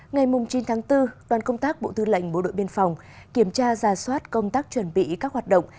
ngày chín tháng bốn đoàn công tác bộ thư lệnh bộ đội biên phòng kiểm tra ra soát công tác chuẩn bị các hoạt động